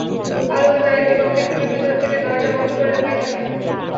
আতঙ্কে তাঁরা একটি কক্ষে ঢুকে ভেতর থেকে দরজা বন্ধ করে লুকিয়ে থাকেন।